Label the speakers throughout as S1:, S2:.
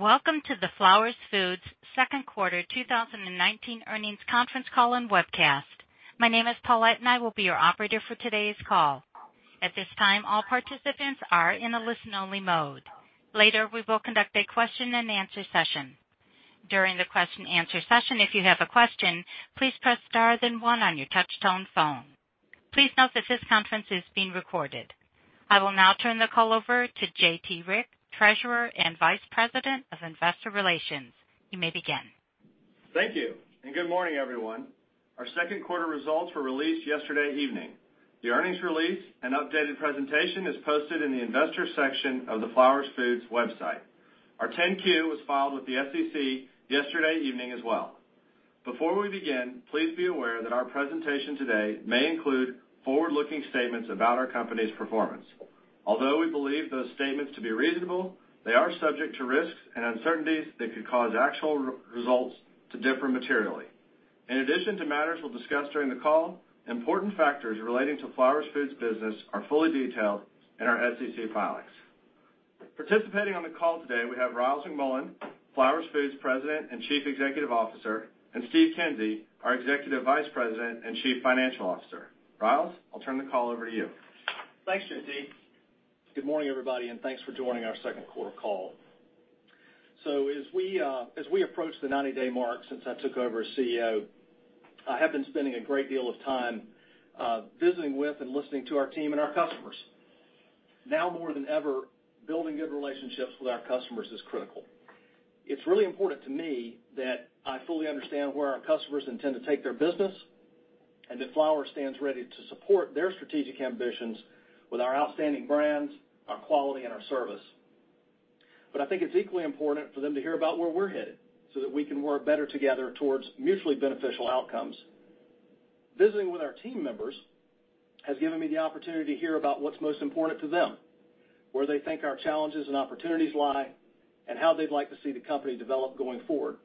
S1: Welcome to the Flowers Foods second quarter 2019 earnings conference call and webcast. My name is Paulette and I will be your operator for today's call. At this time, all participants are in a listen-only mode. Later, we will conduct a question and answer session. During the question and answer session, if you have a question, please press star then one on your touchtone phone. Please note that this conference is being recorded. I will now turn the call over to J.T. Rieck, Treasurer and Vice President of Investor Relations. You may begin.
S2: Thank you, good morning, everyone. Our second quarter results were released yesterday evening. The earnings release and updated presentation is posted in the Investors section of the Flowers Foods website. Our 10-Q was filed with the SEC yesterday evening as well. Before we begin, please be aware that our presentation today may include forward-looking statements about our company's performance. Although we believe those statements to be reasonable, they are subject to risks and uncertainties that could cause actual results to differ materially. In addition to matters we'll discuss during the call, important factors relating to Flowers Foods business are fully detailed in our SEC filings. Participating on the call today, we have Ryals McMullian, Flowers Foods President and Chief Executive Officer, and Steve Kinsey, our Executive Vice President and Chief Financial Officer. Ryals, I'll turn the call over to you.
S3: Thanks, J.T. Good morning, everybody, and thanks for joining our second quarter call. As we approach the 90-day mark since I took over as CEO, I have been spending a great deal of time visiting with and listening to our team and our customers. Now more than ever, building good relationships with our customers is critical. It's really important to me that I fully understand where our customers intend to take their business and that Flowers stands ready to support their strategic ambitions with our outstanding brands, our quality, and our service. I think it's equally important for them to hear about where we're headed so that we can work better together towards mutually beneficial outcomes. Visiting with our team members has given me the opportunity to hear about what's most important to them, where they think our challenges and opportunities lie, and how they'd like to see the company develop going forward.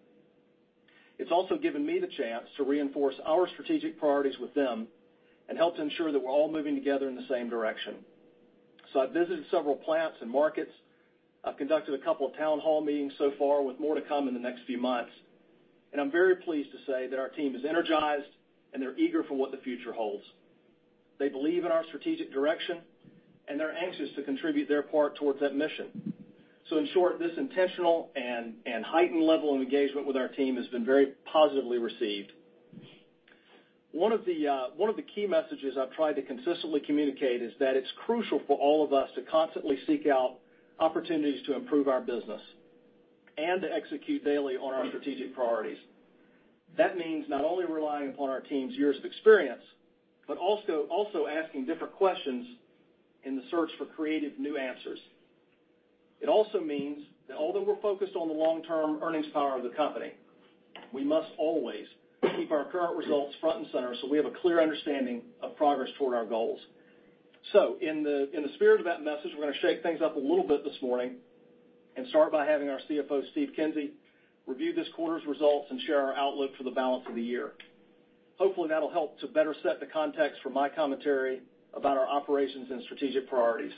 S3: It's also given me the chance to reinforce our strategic priorities with them and help to ensure that we're all moving together in the same direction. I've visited several plants and markets. I've conducted a couple of town hall meetings so far, with more to come in the next few months, I'm very pleased to say that our team is energized and they're eager for what the future holds. They believe in our strategic direction, they're anxious to contribute their part towards that mission. In short, this intentional and heightened level of engagement with our team has been very positively received. One of the key messages I've tried to consistently communicate is that it's crucial for all of us to constantly seek out opportunities to improve our business and to execute daily on our strategic priorities. That means not only relying upon our team's years of experience but also asking different questions in the search for creative new answers. It also means that although we're focused on the long-term earnings power of the company, we must always keep our current results front and center so we have a clear understanding of progress toward our goals. In the spirit of that message, we're going to shake things up a little bit this morning and start by having our CFO, Steve Kinsey, review this quarter's results and share our outlook for the balance of the year. Hopefully, that'll help to better set the context for my commentary about our operations and strategic priorities.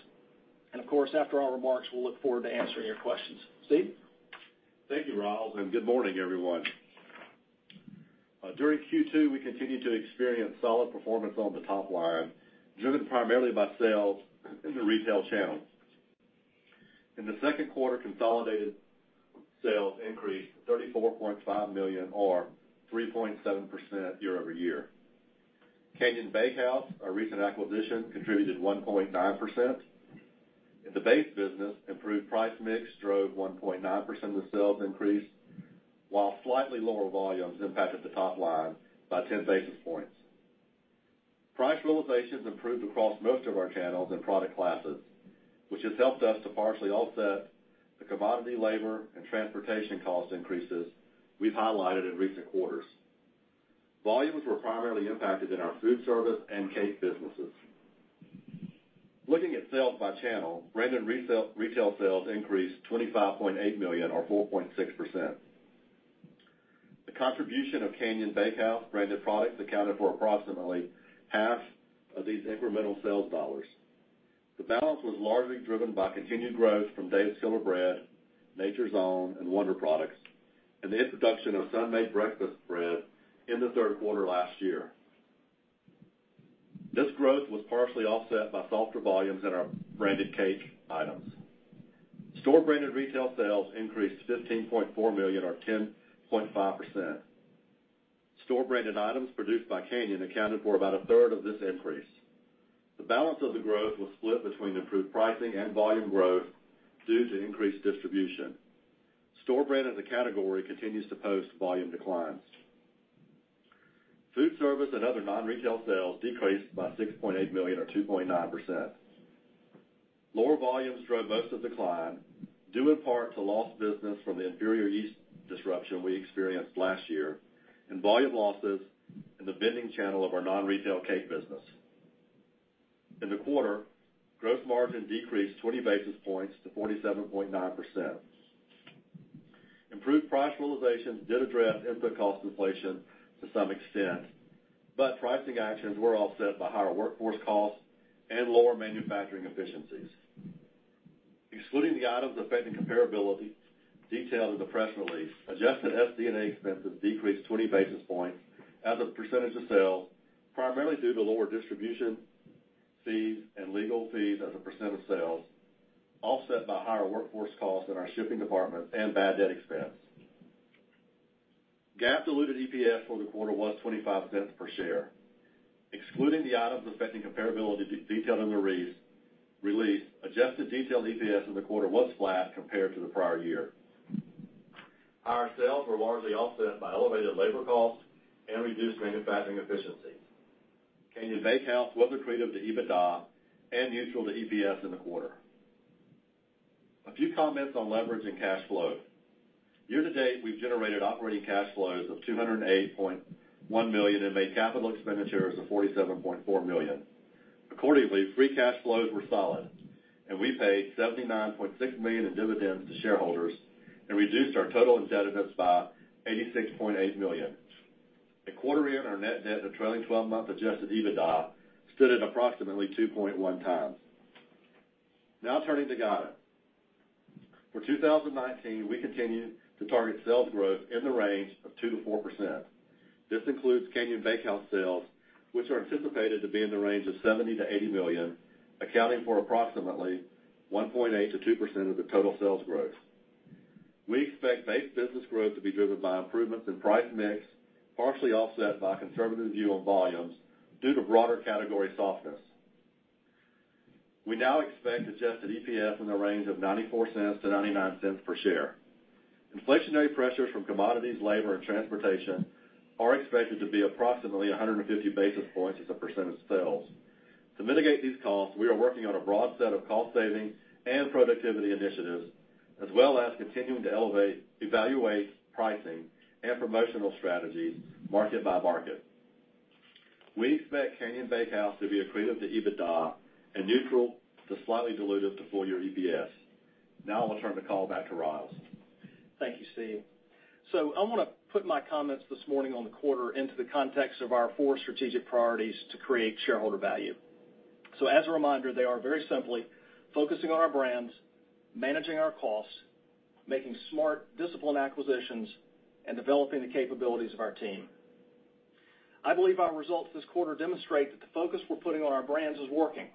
S3: Of course, after our remarks, we'll look forward to answering your questions. Steve?
S4: Thank you, Ryals, and good morning, everyone. During Q2, we continued to experience solid performance on the top line, driven primarily by sales in the retail channel. In the second quarter, consolidated sales increased $34.5 million or 3.7% year-over-year. Canyon Bakehouse, our recent acquisition, contributed 1.9%. In the base business, improved price mix drove 1.9% of the sales increase, while slightly lower volumes impacted the top line by 10 basis points. Price realizations improved across most of our channels and product classes, which has helped us to partially offset the commodity labor and transportation cost increases we've highlighted in recent quarters. Volumes were primarily impacted in our food service and cake businesses. Looking at sales by channel, branded retail sales increased $25.8 million or 4.6%. The contribution of Canyon Bakehouse branded products accounted for approximately half of these incremental sales dollars. The balance was largely driven by continued growth from Dave's Killer Bread, Nature's Own, and Wonder, and the introduction of Sun-Maid Breakfast Bread in the third quarter last year. This growth was partially offset by softer volumes in our branded cake items. Store branded retail sales increased $15.4 million or 10.5%. Store branded items produced by Canyon accounted for about a third of this increase. The balance of the growth was split between improved pricing and volume growth due to increased distribution. Store brand as a category continues to post volume declines. Food service and other non-retail sales decreased by $6.8 million or 2.9%. Lower volumes drove most of the decline, due in part to lost business from the inferior yeast disruption we experienced last year and volume losses in the vending channel of our non-retail cake business. In the quarter, gross margin decreased 20 basis points to 47.9%. Improved price realizations did address input cost inflation to some extent, but pricing actions were offset by higher workforce costs and lower manufacturing efficiencies. Excluding the items affecting comparability, detailed in the press release, adjusted SD&A expenses decreased 20 basis points as a % of sales, primarily due to lower distribution fees and legal fees as a % of sales, offset by higher workforce costs in our shipping department and bad debt expense. GAAP diluted EPS for the quarter was $0.25 per share. Excluding the items affecting comparability detailed in the release, adjusted diluted EPS in the quarter was flat compared to the prior year. Higher sales were largely offset by elevated labor costs and reduced manufacturing efficiency. Canyon Bakehouse was accretive to EBITDA and neutral to EPS in the quarter. A few comments on leverage and cash flow. Year-to-date, we've generated operating cash flows of $208.1 million and made capital expenditures of $47.4 million. Accordingly, free cash flows were solid, and we paid $79.6 million in dividends to shareholders and reduced our total indebtedness by $86.8 million. At quarter end, our net debt of trailing 12-month adjusted EBITDA stood at approximately 2.1 times. Now, turning to guidance. For 2019, we continue to target sales growth in the range of 2%-4%. This includes Canyon Bakehouse sales, which are anticipated to be in the range of $70 million-$80 million, accounting for approximately 1.8%-2% of the total sales growth. We expect base business growth to be driven by improvements in price mix, partially offset by a conservative view on volumes due to broader category softness. We now expect adjusted EPS in the range of $0.94-$0.99 per share. Inflationary pressures from commodities, labor, and transportation are expected to be approximately 150 basis points as a percent of sales. To mitigate these costs, we are working on a broad set of cost saving and productivity initiatives, as well as continuing to evaluate pricing and promotional strategies market by market. We expect Canyon Bakehouse to be accretive to EBITDA and neutral to slightly dilutive to full year EPS. Now I'll turn the call back to Ryals.
S3: Thank you, Steve. I want to put my comments this morning on the quarter into the context of our four strategic priorities to create shareholder value. As a reminder, they are very simply: focusing on our brands, managing our costs, making smart, disciplined acquisitions, and developing the capabilities of our team. I believe our results this quarter demonstrate that the focus we're putting on our brands is working.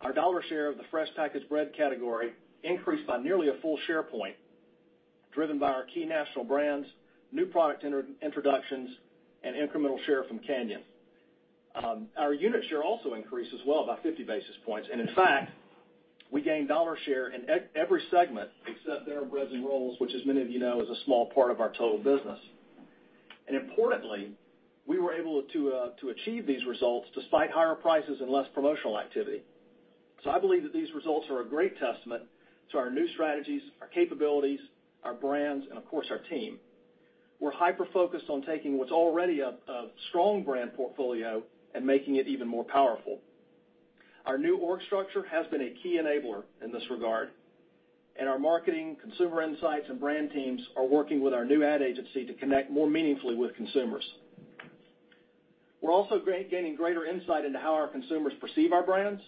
S3: Our dollar share of the fresh packaged bread category increased by nearly a full share point, driven by our key national brands, new product introductions, and incremental share from Canyon. Our unit share also increased as well by 50 basis points. In fact, we gained dollar share in every segment except dinner breads and rolls, which as many of you know, is a small part of our total business. Importantly, we were able to achieve these results despite higher prices and less promotional activity. I believe that these results are a great testament to our new strategies, our capabilities, our brands, and of course, our team. We're hyper-focused on taking what's already a strong brand portfolio and making it even more powerful. Our new org structure has been a key enabler in this regard, and our marketing, consumer insights, and brand teams are working with our new ad agency to connect more meaningfully with consumers. We're also gaining greater insight into how our consumers perceive our brands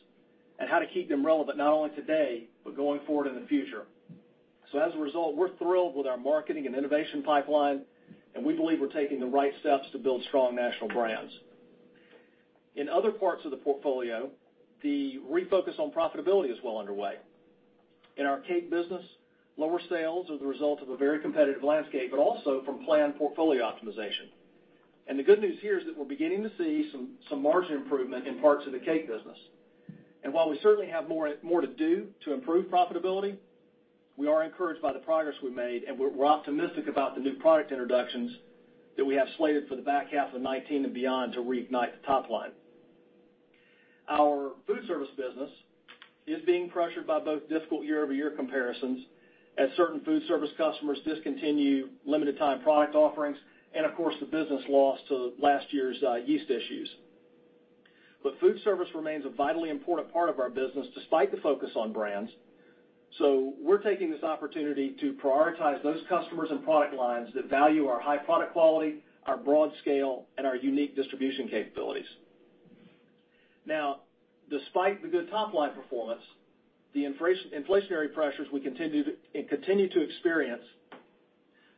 S3: and how to keep them relevant, not only today, but going forward in the future. As a result, we're thrilled with our marketing and innovation pipeline, and we believe we're taking the right steps to build strong national brands. In other parts of the portfolio, the refocus on profitability is well underway. In our cake business, lower sales as a result of a very competitive landscape, also from planned portfolio optimization. The good news here is that we're beginning to see some margin improvement in parts of the cake business. While we certainly have more to do to improve profitability, we are encouraged by the progress we've made, and we're optimistic about the new product introductions that we have slated for the back half of 2019 and beyond to reignite the top line. Our food service business is being pressured by both difficult year-over-year comparisons as certain food service customers discontinue limited time product offerings, and of course, the business loss to last year's yeast issues. Food service remains a vitally important part of our business, despite the focus on brands. We're taking this opportunity to prioritize those customers and product lines that value our high product quality, our broad scale, and our unique distribution capabilities. Despite the good top-line performance, the inflationary pressures we continue to experience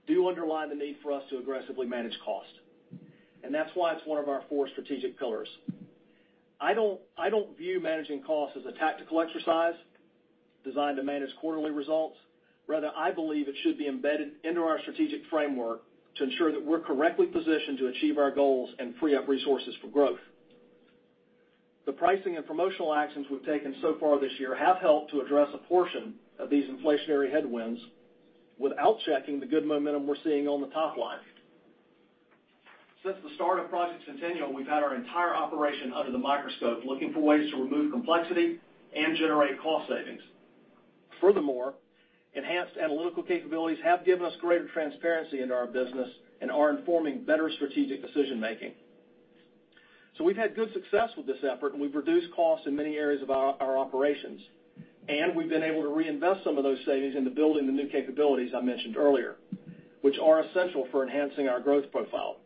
S3: do underlie the need for us to aggressively manage cost. That's why it's one of our four strategic pillars. I don't view managing costs as a tactical exercise designed to manage quarterly results. Rather, I believe it should be embedded into our strategic framework to ensure that we're correctly positioned to achieve our goals and free up resources for growth. The pricing and promotional actions we've taken so far this year have helped to address a portion of these inflationary headwinds without checking the good momentum we're seeing on the top-line. Since the start of Project Centennial, we've had our entire operation under the microscope, looking for ways to remove complexity and generate cost savings. Furthermore, enhanced analytical capabilities have given us greater transparency into our business and are informing better strategic decision making. We've had good success with this effort, and we've reduced costs in many areas of our operations. We've been able to reinvest some of those savings into building the new capabilities I mentioned earlier, which are essential for enhancing our growth profile.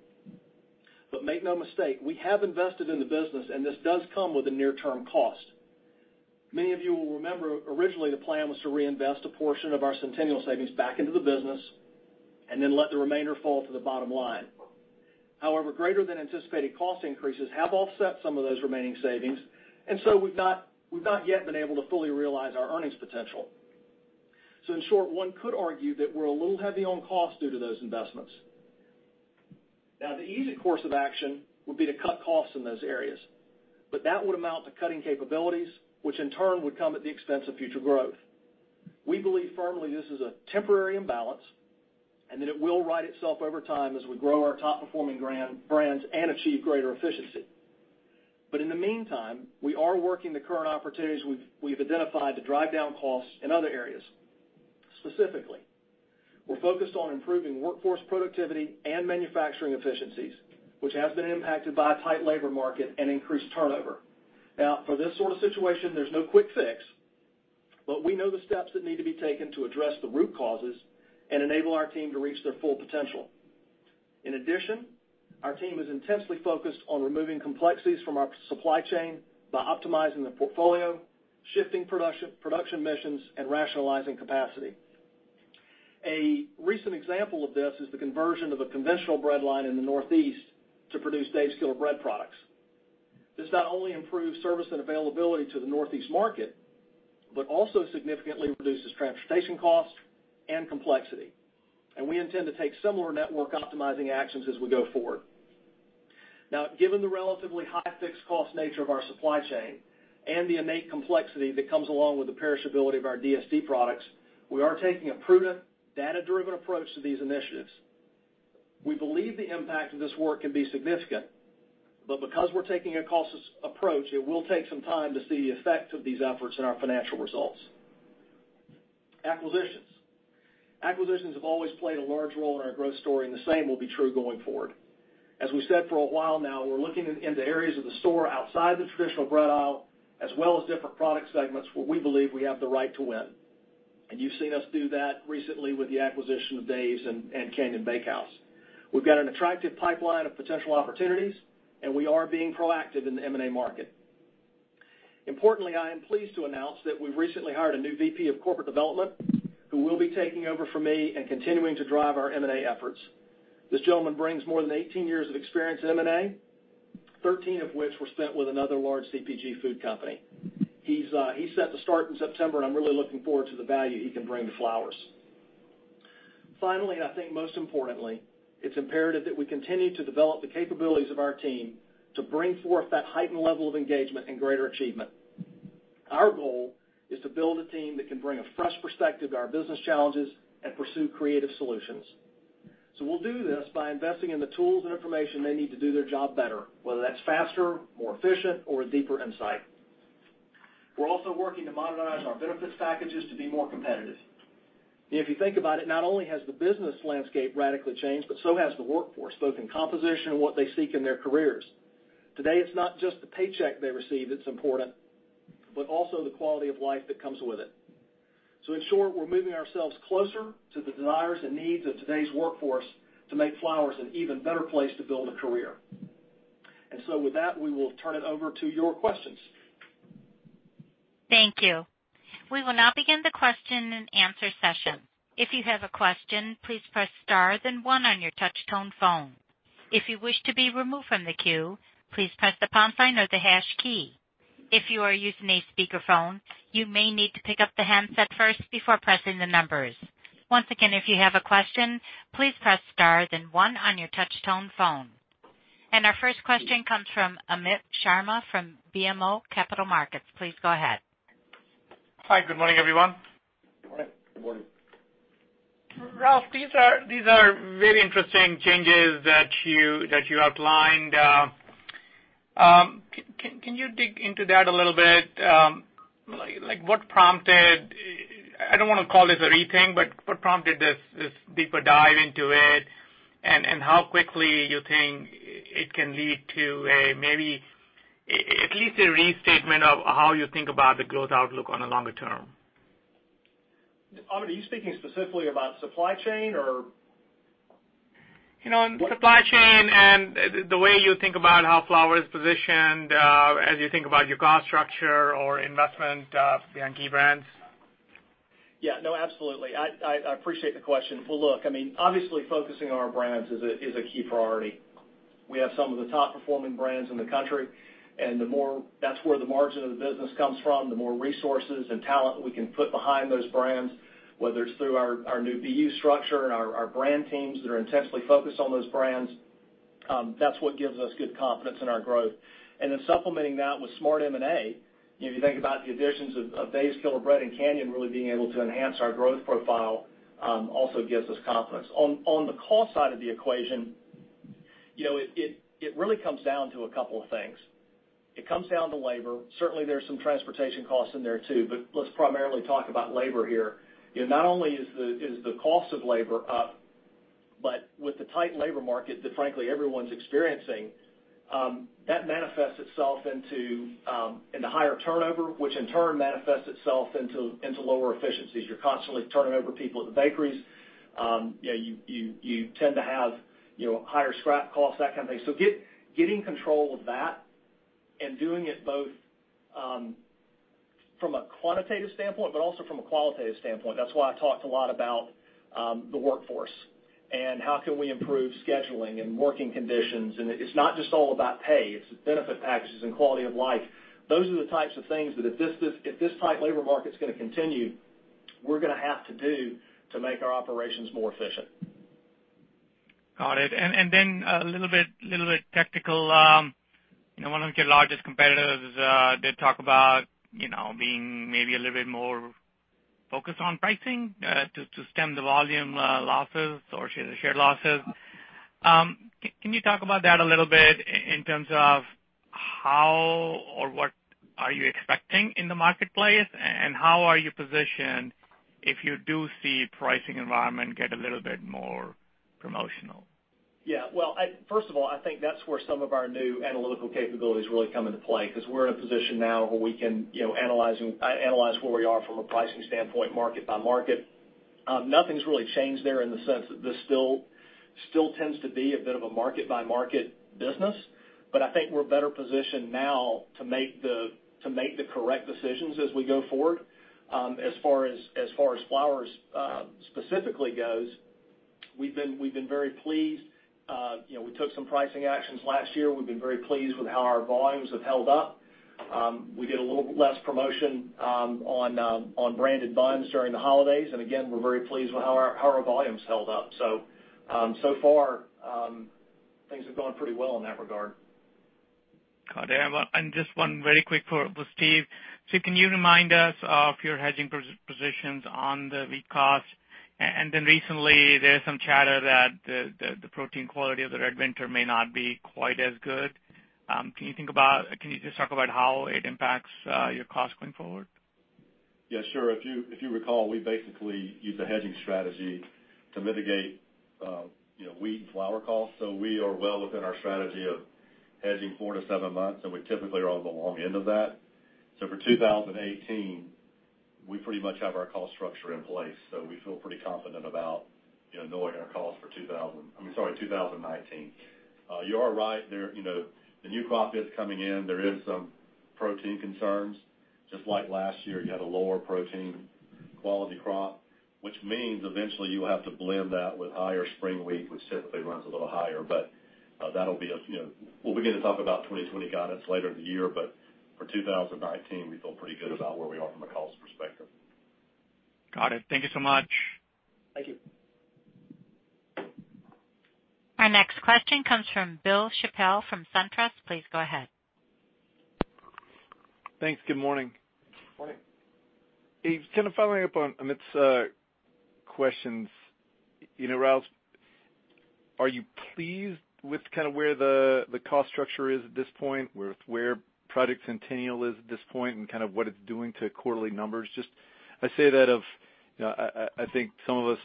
S3: Make no mistake, we have invested in the business, and this does come with a near-term cost. Many of you will remember, originally, the plan was to reinvest a portion of our Centennial savings back into the business and then let the remainder fall to the bottom line. However, greater than anticipated cost increases have offset some of those remaining savings, and so we've not yet been able to fully realize our earnings potential. In short, one could argue that we're a little heavy on cost due to those investments. Now, the easy course of action would be to cut costs in those areas. That would amount to cutting capabilities, which in turn would come at the expense of future growth. We believe firmly this is a temporary imbalance and that it will right itself over time as we grow our top-performing brands and achieve greater efficiency. In the meantime, we are working the current opportunities we've identified to drive down costs in other areas. Specifically, we're focused on improving workforce productivity and manufacturing efficiencies, which have been impacted by a tight labor market and increased turnover. For this sort of situation, there's no quick fix, but we know the steps that need to be taken to address the root causes and enable our team to reach their full potential. In addition, our team is intensely focused on removing complexities from our supply chain by optimizing the portfolio, shifting production missions, and rationalizing capacity. A recent example of this is the conversion of a conventional bread line in the Northeast to produce Dave's Killer Bread products. This not only improves service and availability to the Northeast market but also significantly reduces transportation costs and complexity. We intend to take similar network optimizing actions as we go forward. Given the relatively high fixed cost nature of our supply chain and the innate complexity that comes along with the perishability of our DSD products, we are taking a prudent, data-driven approach to these initiatives. We believe the impact of this work can be significant, but because we're taking a cautious approach, it will take some time to see the effect of these efforts in our financial results. Acquisitions. Acquisitions have always played a large role in our growth story. The same will be true going forward. As we said for a while now, we're looking into areas of the store outside the traditional bread aisle, as well as different product segments where we believe we have the right to win. You've seen us do that recently with the acquisition of Dave's and Canyon Bakehouse. We've got an attractive pipeline of potential opportunities, and we are being proactive in the M&A market. Importantly, I am pleased to announce that we've recently hired a new VP of corporate development who will be taking over from me and continuing to drive our M&A efforts. This gentleman brings more than 18 years of experience in M&A, 13 of which were spent with another large CPG food company. He's set to start in September. I'm really looking forward to the value he can bring to Flowers. Finally, I think most importantly, it's imperative that we continue to develop the capabilities of our team to bring forth that heightened level of engagement and greater achievement. Our goal is to build a team that can bring a fresh perspective to our business challenges and pursue creative solutions. We'll do this by investing in the tools and information they need to do their job better, whether that's faster, more efficient, or a deeper insight. We're also working to modernize our benefits packages to be more competitive. If you think about it, not only has the business landscape radically changed, but so has the workforce, both in composition and what they seek in their careers. Today, it's not just the paycheck they receive that's important, but also the quality of life that comes with it. In short, we're moving ourselves closer to the desires and needs of today's workforce to make Flowers an even better place to build a career. With that, we will turn it over to your questions.
S1: Thank you. We will now begin the question and answer session. If you have a question, please press star then one on your touch tone phone. If you wish to be removed from the queue, please press the pound sign or the hash key. If you are using a speakerphone, you may need to pick up the handset first before pressing the numbers. Once again, if you have a question, please press star then one on your touch tone phone. Our first question comes from Amit Sharma from BMO Capital Markets. Please go ahead.
S5: Hi. Good morning, everyone.
S3: Morning.
S4: Good morning.
S5: Ryals, these are very interesting changes that you outlined. Can you dig into that a little bit? What prompted, I don't want to call this a rethink, but what prompted this deeper dive into it, and how quickly you think it can lead to a, maybe, at least a restatement of how you think about the growth outlook on a longer term?
S3: Amit, are you speaking specifically about supply chain or?
S5: Supply chain and the way you think about how Flowers' positioned, as you think about your cost structure or investment behind key brands.
S3: Yeah. No, absolutely. I appreciate the question. Well, look, I mean, obviously focusing on our brands is a key priority. We have some of the top performing brands in the country, and that's where the margin of the business comes from, the more resources and talent we can put behind those brands, whether it's through our new BU structure and our brand teams that are intensely focused on those brands. That's what gives us good confidence in our growth. Supplementing that with smart M&A, if you think about the additions of Dave's Killer Bread and Canyon really being able to enhance our growth profile, also gives us confidence. On the cost side of the equation, it really comes down to a couple of things. It comes down to labor. Certainly, there's some transportation costs in there, too, but let's primarily talk about labor here. Not only is the cost of labor up, but with the tight labor market that frankly, everyone's experiencing, that manifests itself into higher turnover, which in turn manifests itself into lower efficiencies. You're constantly turning over people at the bakeries. You tend to have higher scrap costs, that kind of thing. Getting control of that and doing it both from a quantitative standpoint, but also from a qualitative standpoint. That's why I talked a lot about the workforce and how can we improve scheduling and working conditions. It's not just all about pay, it's benefit packages and quality of life. Those are the types of things that if this tight labor market's going to continue, we're going to have to do to make our operations more efficient.
S5: Got it. Then a little bit technical. One of your largest competitors did talk about being maybe a little bit more focused on pricing, to stem the volume losses or share the share losses. Can you talk about that a little bit in terms of how or what are you expecting in the marketplace, and how are you positioned if you do see pricing environment get a little bit more promotional?
S3: Yeah. Well, first of all, I think that's where some of our new analytical capabilities really come into play, because we're in a position now where we can analyze where we are from a pricing standpoint, market by market. Nothing's really changed there in the sense that this still tends to be a bit of a market-by-market business. I think we're better positioned now to make the correct decisions as we go forward. As far as Flowers specifically goes, we've been very pleased. We took some pricing actions last year. We've been very pleased with how our volumes have held up. We did a little less promotion on branded buns during the holidays. Again, we're very pleased with how our volumes held up. So far, things have gone pretty well in that regard.
S5: Got it. Just one very quick for Steve. Steve, can you remind us of your hedging positions on the wheat cost? Recently, there's some chatter that the protein quality of the red winter may not be quite as good. Can you just talk about how it impacts your cost going forward?
S4: Yeah, sure. If you recall, we basically use a hedging strategy to mitigate wheat and flour cost. We are well within our strategy of hedging 4-7 months, and we typically are on the long end of that. For 2018, we pretty much have our cost structure in place, so we feel pretty confident about knowing our cost for I mean, sorry, 2019. You are right, the new crop is coming in. There is some protein concerns. Just like last year, you had a lower protein quality crop, which means eventually you will have to blend that with higher spring wheat, which typically runs a little higher. We'll begin to talk about 2020 guidance later in the year. For 2019, we feel pretty good about where we are from a cost perspective.
S5: Got it. Thank you so much.
S4: Thank you.
S1: Our next question comes from Bill Chappell from SunTrust. Please go ahead.
S6: Thanks. Good morning.
S3: Good morning.
S6: Steve, kind of following up on Amit's questions. Ryals, are you pleased with where the cost structure is at this point, with where Project Centennial is at this point, and what it's doing to quarterly numbers? Just, I say that of, I think some of us,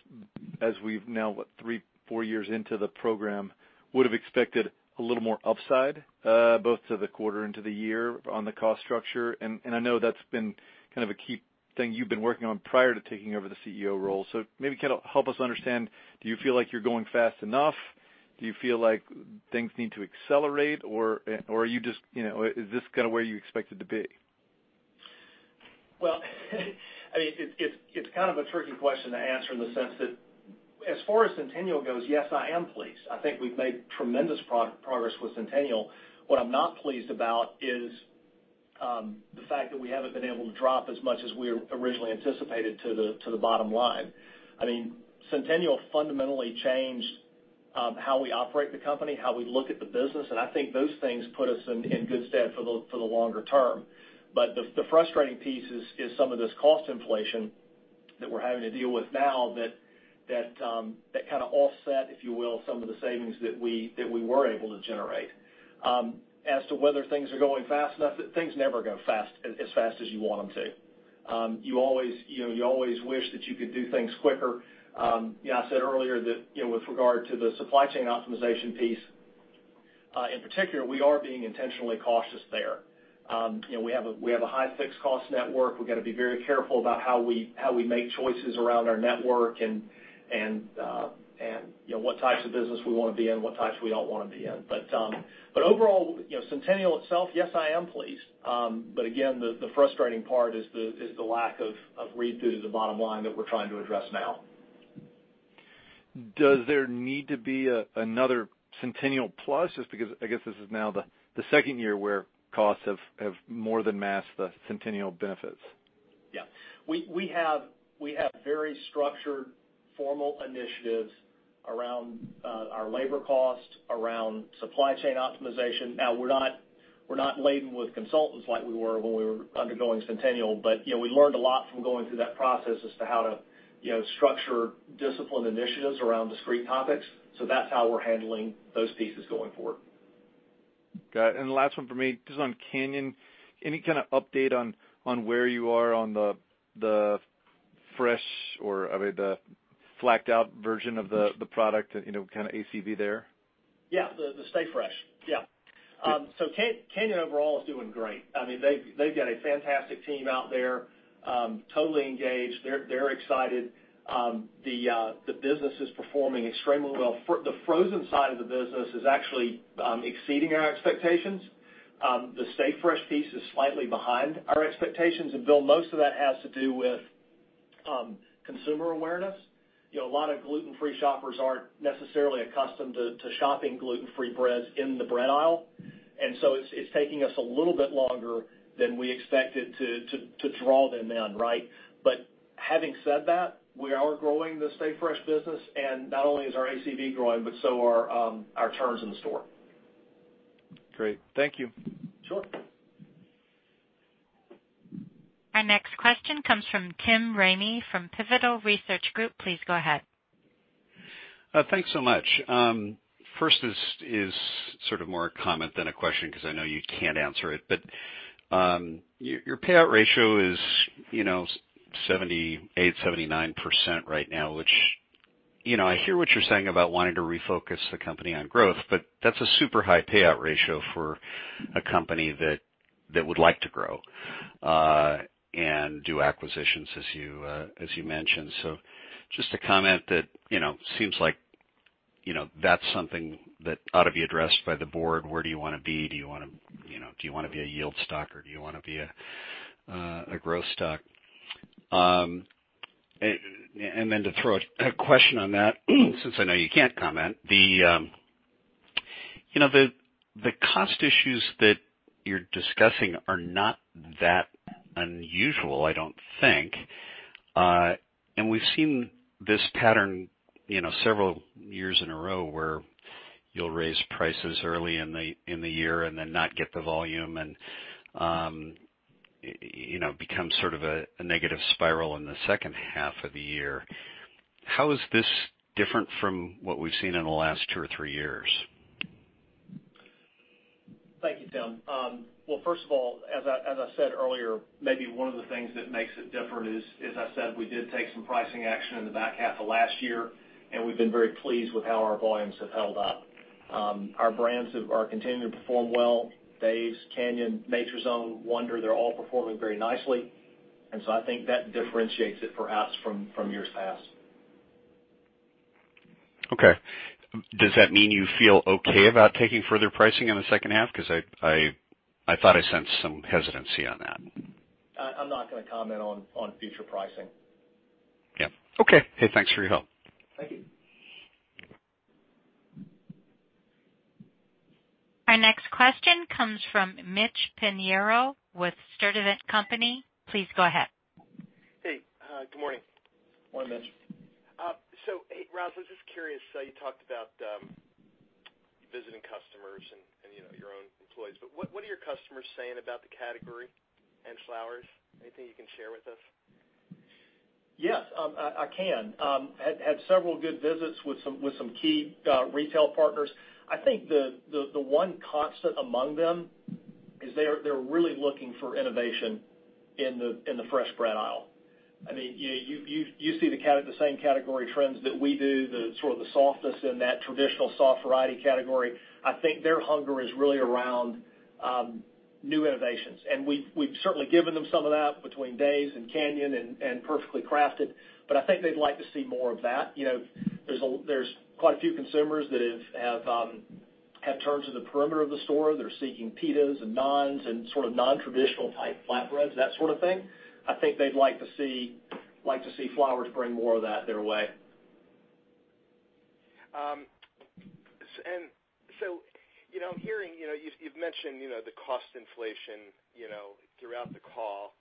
S6: as we've now, what, three, four years into the program, would have expected a little more upside, both to the quarter and to the year on the cost structure. I know that's been kind of a key thing you've been working on prior to taking over the CEO role. Maybe help us understand, do you feel like you're going fast enough? Do you feel like things need to accelerate? Is this kind of where you expected to be?
S3: Well it's kind of a tricky question to answer in the sense that as far as Centennial goes, yes, I am pleased. I think we've made tremendous progress with Centennial. What I'm not pleased about is the fact that we haven't been able to drop as much as we originally anticipated to the bottom line. Centennial fundamentally changed how we operate the company, how we look at the business, and I think those things put us in good stead for the longer term. The frustrating piece is some of this cost inflation that we're having to deal with now that kind of offset, if you will, some of the savings that we were able to generate. As to whether things are going fast enough, things never go as fast as you want them to. You always wish that you could do things quicker. I said earlier that with regard to the supply chain optimization piece, in particular, we are being intentionally cautious there. We have a high fixed cost network. We've got to be very careful about how we make choices around our network and what types of business we want to be in, what types we don't want to be in. Overall, Centennial itself, yes, I am pleased. Again, the frustrating part is the lack of read through to the bottom line that we're trying to address now.
S6: Does there need to be another Centennial plus? Just because I guess this is now the second year where costs have more than masked the Centennial benefits.
S3: We have very structured, formal initiatives around our labor cost, around supply chain optimization. We're not laden with consultants like we were when we were undergoing Centennial, but we learned a lot from going through that process as to how to structure disciplined initiatives around discrete topics. That's how we're handling those pieces going forward.
S6: Got it. The last one for me, just on Canyon. Any kind of update on where you are on the fresh or, I mean, the flaked-out version of the product, kind of ACV there?
S3: The Stay Fresh. Canyon overall is doing great. They've got a fantastic team out there, totally engaged. They're excited. The business is performing extremely well. The frozen side of the business is actually exceeding our expectations. The Stay Fresh piece is slightly behind our expectations. Bill, most of that has to do with consumer awareness. A lot of gluten-free shoppers aren't necessarily accustomed to shopping gluten-free breads in the bread aisle. It's taking us a little bit longer than we expected to draw them in. Having said that, we are growing the Stay Fresh business, and not only is our ACV growing, but so are our turns in the store.
S6: Great. Thank you.
S3: Sure.
S1: Our next question comes from Tim Ramey from Pivotal Research Group. Please go ahead.
S7: Thanks so much. First is sort of more a comment than a question, because I know you can't answer it. Your payout ratio is 78%, 79% right now, which I hear what you're saying about wanting to refocus the company on growth, but that's a super high payout ratio for a company that would like to grow, and do acquisitions as you mentioned. Just a comment that seems like that's something that ought to be addressed by the board. Where do you want to be? Do you want to be a yield stock or do you want to be a growth stock? Then to throw a question on that since I know you can't comment, the cost issues that you're discussing are not that unusual, I don't think. We've seen this pattern several years in a row where you'll raise prices early in the year and then not get the volume and it becomes sort of a negative spiral in the second half of the year. How is this different from what we've seen in the last two or three years?
S3: Thank you, Tim. Well, first of all, as I said earlier, maybe one of the things that makes it different is, as I said, we did take some pricing action in the back half of last year, and we've been very pleased with how our volumes have held up. Our brands are continuing to perform well. Dave's, Canyon, Nature's Own, Wonder, they're all performing very nicely. I think that differentiates it perhaps from years past.
S7: Okay. Does that mean you feel okay about taking further pricing in the second half? I thought I sensed some hesitancy on that.
S3: I'm not going to comment on future pricing.
S7: Yeah. Okay. Hey, thanks for your help.
S3: Thank you.
S1: Our next question comes from Mitch Pinheiro with Stifel. Please go ahead.
S8: Hey, good morning.
S3: Morning, Mitch.
S8: Hey, Ryals, I was just curious. You talked about visiting customers and your own employees, what are your customers saying about the category and Flowers? Anything you can share with us?
S3: Yes, I can. Had several good visits with some key retail partners. I think the one constant among them is they're really looking for innovation in the fresh bread aisle. You see the same category trends that we do, the sort of the softness in that traditional soft variety category. I think their hunger is really around new innovations, and we've certainly given them some of that between Dave's and Canyon and Perfectly Crafted, but I think they'd like to see more of that. There's quite a few consumers that have turned to the perimeter of the store. They're seeking pitas and naans and sort of non-traditional type flatbreads, that sort of thing. I think they'd like to see Flowers bring more of that their way.
S8: I'm hearing, you've mentioned the cost inflation throughout the call,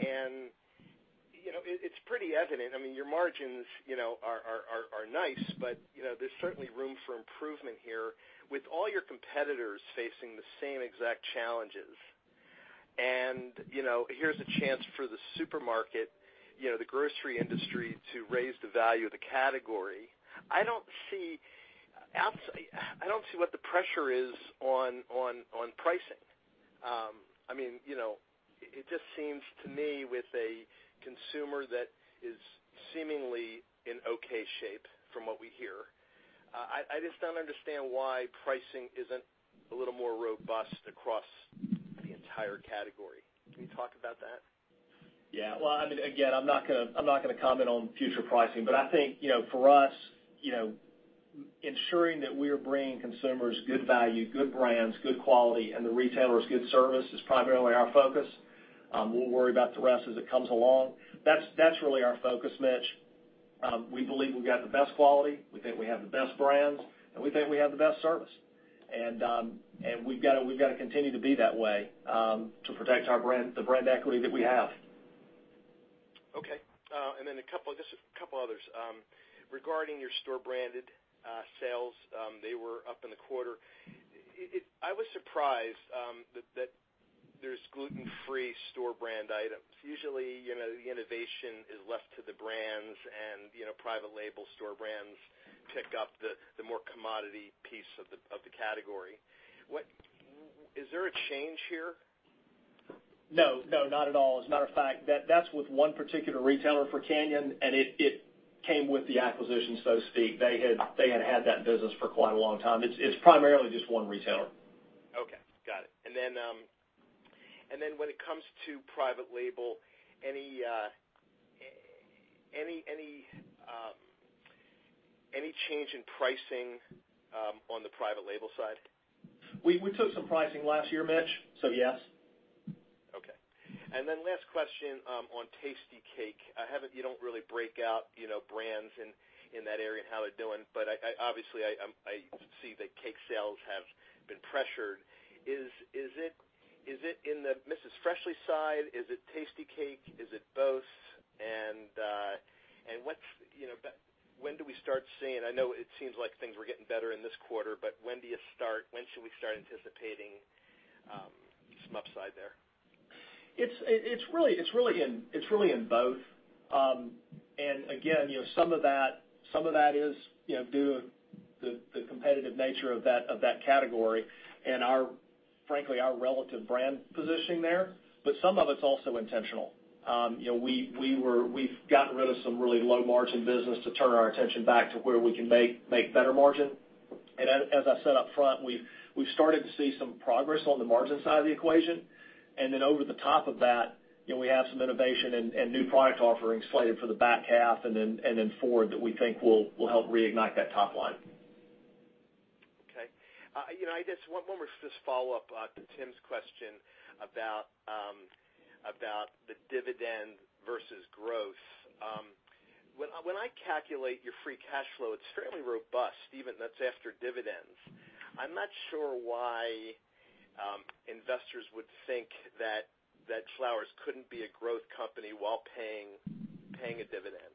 S8: and it's pretty evident. Your margins are nice. There's certainly room for improvement here with all your competitors facing the same exact challenges. Here's a chance for the supermarket, the grocery industry, to raise the value of the category. I don't see what the pressure is on pricing. It just seems to me with a consumer that is seemingly in okay shape from what we hear, I just don't understand why pricing isn't a little more robust across the entire category. Can you talk about that?
S3: Well, again, I'm not going to comment on future pricing, but I think for us, ensuring that we are bringing consumers good value, good brands, good quality, and the retailers good service is primarily our focus. We'll worry about the rest as it comes along. That's really our focus, Mitch. We believe we've got the best quality, we think we have the best brands, and we think we have the best service. We've got to continue to be that way to protect the brand equity that we have.
S8: Okay. Just a couple others. Regarding your store branded sales, they were up in the quarter. I was surprised gluten-free store brand items. Usually, the innovation is left to the brands and private label store brands pick up the more commodity piece of the category. Is there a change here?
S3: No, not at all. As a matter of fact, that's with one particular retailer for Canyon, and it came with the acquisition, so to speak. They had had that business for quite a long time. It's primarily just one retailer.
S8: Okay. Got it. When it comes to private label, any change in pricing on the private label side?
S3: We took some pricing last year, Mitch. Yes.
S8: Okay. Last question on Tastykake. You don't really break out brands in that area and how they're doing. Obviously, I see that cake sales have been pressured. Is it in the Mrs. Freshley's side? Is it Tastykake? Is it both? When do we start seeing, I know it seems like things were getting better in this quarter, but when should we start anticipating some upside there?
S3: It's really in both. Again, some of that is due to the competitive nature of that category and frankly, our relative brand positioning there. Some of it's also intentional. We've gotten rid of some really low margin business to turn our attention back to where we can make better margin. As I said up front, we've started to see some progress on the margin side of the equation. Over the top of that, we have some innovation and new product offerings slated for the back half and then forward that we think will help reignite that top line.
S8: Okay. I guess one more, just follow up to Tim's question about the dividend versus growth. When I calculate your free cash flow, it's fairly robust, even that's after dividends. I'm not sure why investors would think that Flowers couldn't be a growth company while paying a dividend.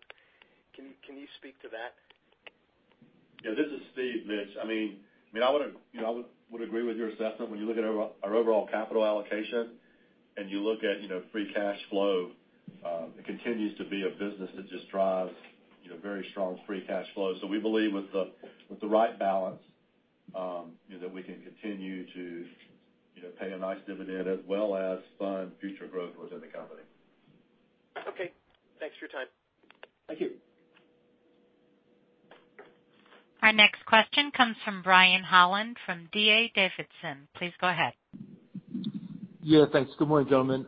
S8: Can you speak to that?
S4: Yeah, this is Steve, Mitch. I would agree with your assessment. When you look at our overall capital allocation and you look at free cash flow, it continues to be a business that just drives very strong free cash flow. We believe with the right balance, that we can continue to pay a nice dividend as well as fund future growth within the company.
S8: Okay. Thanks for your time.
S4: Thank you.
S1: Our next question comes from Brian Holland from D.A. Davidson. Please go ahead.
S9: Yeah, thanks. Good morning, gentlemen.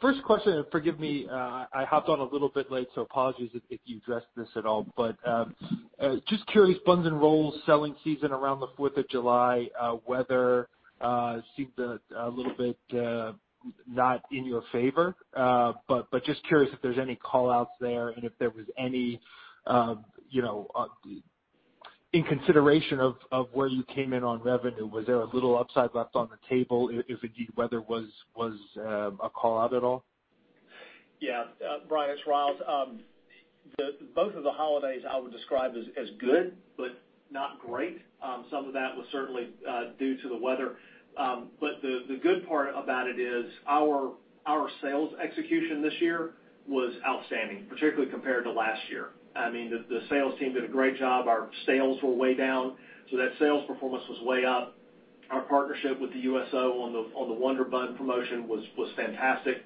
S9: First question. Forgive me, I hopped on a little bit late, so apologies if you addressed this at all. Just curious, buns and rolls selling season around the 4th of July. Weather seemed a little bit not in your favor. Just curious if there's any call-outs there and if there was any, in consideration of where you came in on revenue, was there a little upside left on the table if indeed weather was a call-out at all?
S3: Brian, it's Ryals. Both of the holidays I would describe as good, but not great. Some of that was certainly due to the weather. The good part about it is our sales execution this year was outstanding, particularly compared to last year. The sales team did a great job. Our sales were way down, that sales performance was way up. Our partnership with the USO on the Wonder bun promotion was fantastic.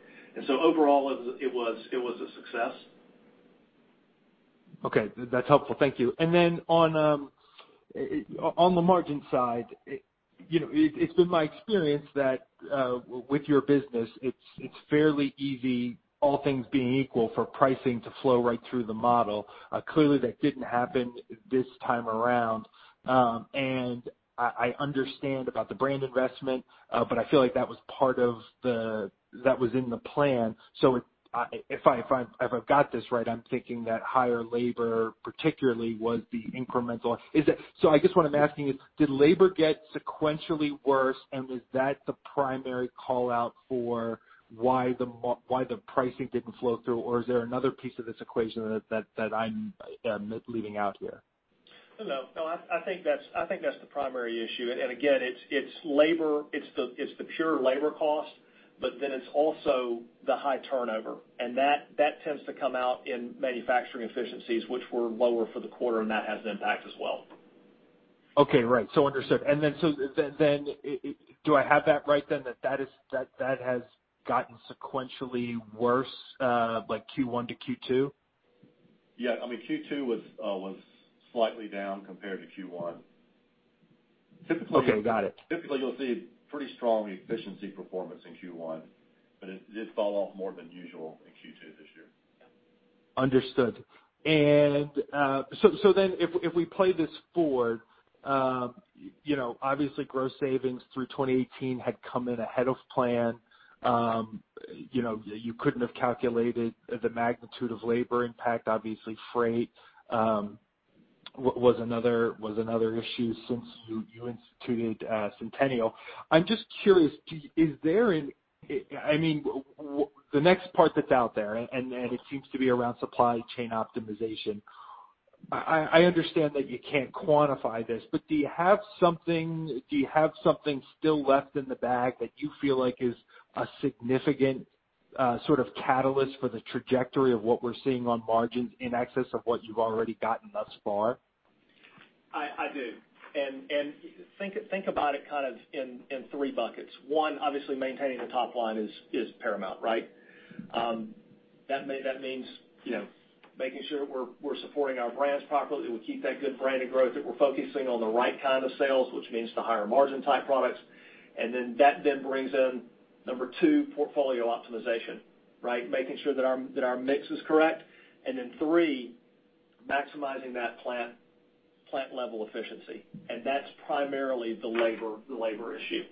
S3: Overall, it was a success.
S9: Okay. That's helpful. Thank you. Then on the margin side, it's been my experience that with your business, it's fairly easy, all things being equal, for pricing to flow right through the model. Clearly, that didn't happen this time around. I understand about the brand investment, but I feel like that was in the plan. If I've got this right, I'm thinking that higher labor particularly was the incremental. I guess what I'm asking is, did labor get sequentially worse and was that the primary call-out for why the pricing didn't flow through? Is there another piece of this equation that I'm leaving out here?
S3: No. I think that's the primary issue. Again, it's the pure labor cost, but then it's also the high turnover, and that tends to come out in manufacturing efficiencies, which were lower for the quarter, and that has impact as well.
S9: Okay. Right. Understood. Do I have that right then, that has gotten sequentially worse, like Q1 to Q2?
S4: Yeah. Q2 was slightly down compared to Q1.
S9: Okay. Got it.
S4: Typically, you'll see pretty strong efficiency performance in Q1, but it did fall off more than usual in Q2 this year.
S9: Understood. If we play this forward, obviously gross savings through 2018 had come in ahead of plan. You couldn't have calculated the magnitude of labor impact. Obviously, freight was another issue since you instituted Centennial. I'm just curious, the next part that's out there, and it seems to be around supply chain optimization, I understand that you can't quantify this, but do you have something still left in the bag that you feel like is a significant sort of catalyst for the trajectory of what we're seeing on margins in excess of what you've already gotten thus far?
S3: I do. Think about it kind of in three buckets. One, obviously maintaining the top line is paramount, right? That means making sure we're supporting our brands properly, we keep that good branded growth, that we're focusing on the right kind of sales, which means the higher margin type products. That then brings in number two, portfolio optimization, right? Making sure that our mix is correct, and then three, maximizing that plant-level efficiency. That's primarily the labor issue.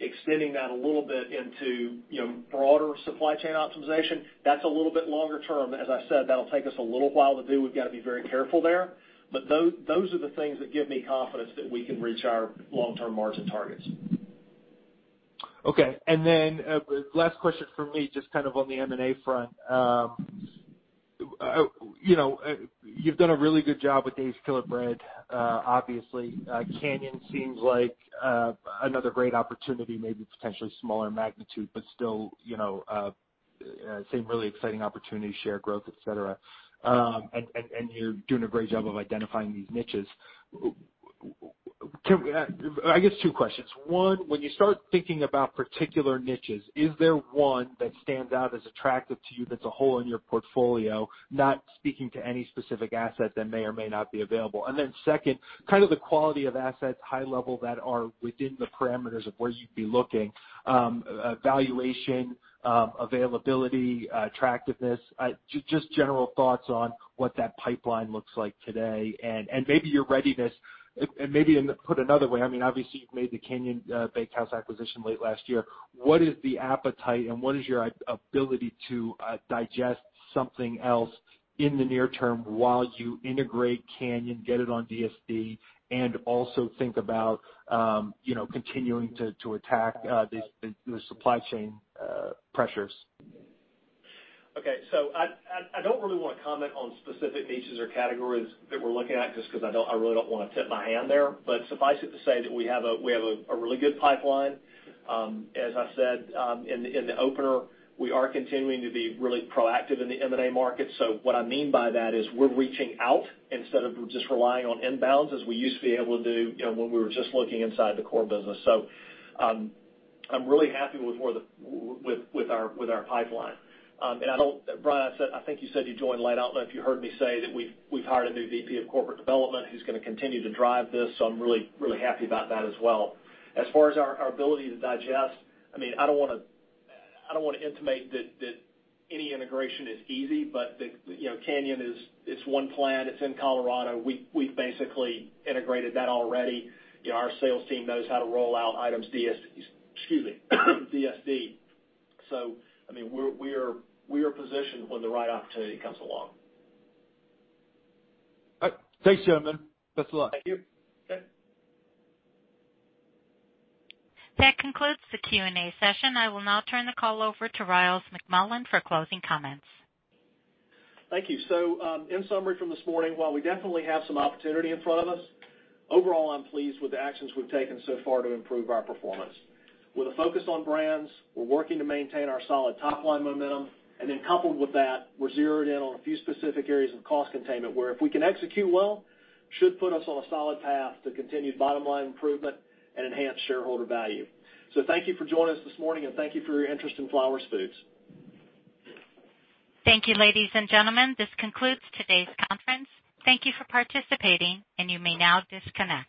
S3: Extending that a little bit into broader supply chain optimization, that's a little bit longer term. As I said, that'll take us a little while to do. We've got to be very careful there. Those are the things that give me confidence that we can reach our long-term margin targets.
S9: Okay. Last question from me, just kind of on the M&A front. You've done a really good job with Dave's Killer Bread, obviously. Canyon seems like another great opportunity, maybe potentially smaller magnitude, but still same really exciting opportunity, share growth, et cetera. You're doing a great job of identifying these niches. I guess two questions. One, when you start thinking about particular niches, is there one that stands out as attractive to you that's a hole in your portfolio? Not speaking to any specific asset that may or may not be available. Second, kind of the quality of assets, high level, that are within the parameters of where you'd be looking. Valuation, availability, attractiveness, just general thoughts on what that pipeline looks like today and maybe your readiness. Maybe put another way, obviously you've made the Canyon Bakehouse acquisition late last year. What is the appetite and what is your ability to digest something else in the near term while you integrate Canyon, get it on DSD, and also think about continuing to attack the supply chain pressures?
S3: Okay, I don't really want to comment on specific niches or categories that we're looking at, just because I really don't want to tip my hand there. Suffice it to say that we have a really good pipeline. As I said in the opener, we are continuing to be really proactive in the M&A market. What I mean by that is we're reaching out instead of just relying on inbounds as we used to be able to do when we were just looking inside the core business. I'm really happy with our pipeline. Brian, I think you said you joined late on and I don't know if you heard me say that we've hired a new VP of Corporate Development who's going to continue to drive this, I'm really happy about that as well. As far as our ability to digest, I don't want to intimate that any integration is easy, but Canyon, it's one plant, it's in Colorado. We've basically integrated that already. Our sales team knows how to roll out items DSD. We are positioned when the right opportunity comes along.
S9: All right. Thanks, gentlemen. Best of luck.
S3: Thank you.
S1: That concludes the Q&A session. I will now turn the call over to Ryals McMullian for closing comments.
S3: Thank you. In summary from this morning, while we definitely have some opportunity in front of us, overall, I'm pleased with the actions we've taken so far to improve our performance. With a focus on brands, we're working to maintain our solid top-line momentum. Coupled with that, we're zeroed in on a few specific areas of cost containment where if we can execute well, should put us on a solid path to continued bottom-line improvement and enhance shareholder value. Thank you for joining us this morning, and thank you for your interest in Flowers Foods.
S1: Thank you, ladies and gentlemen. This concludes today's conference. Thank you for participating, and you may now disconnect.